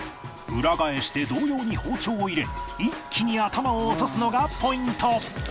裏返して同様に包丁を入れ一気に頭を落とすのがポイント